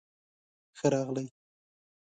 ښۀ راغلئ